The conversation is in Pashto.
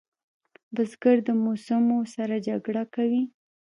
بزګر د موسمو سره جګړه کوي